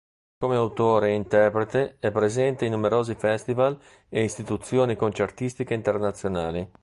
Come autore e interprete è presente in numerosi festival e istituzioni concertistiche internazionali.